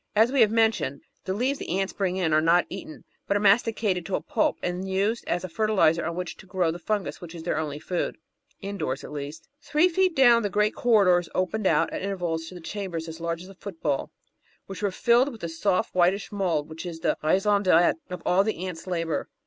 As we have mentioned, the leaves the ants bring in are not eaten, but are masticated to a pulp and used as a fertiliser on which to grow the fungus which is their only food — indoors at least. Three feet down the great corridors opened out at intervals to chambers as large as a football, which were filled with the soft whitish mould which is the raison d'etre of all the ants' labour.